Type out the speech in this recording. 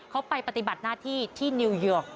เขาไปปฏิบัติหน้าที่ที่นิวยอร์ก